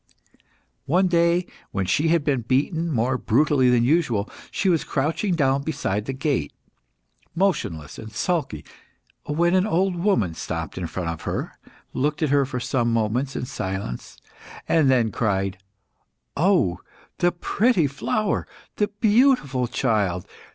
One day, when she had been beaten more brutally than usual, she was crouching down beside the gate, motionless and sulky, when an old woman stopped in front of her, looked at her for some moments in silence, and then cried "Oh, the pretty flower! the beautiful child!